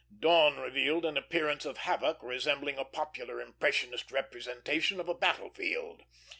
Dawn revealed an appearance of havoc resembling a popular impressionist representation of a battle field.